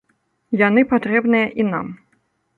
Яны патрэбныя і нам.